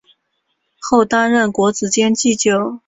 后担任国子监祭酒。